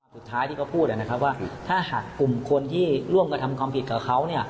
ที่เขาพูดนะครับว่าถ้าหากกลุ่มคนที่ร่วมกระทำความผิดกับเขา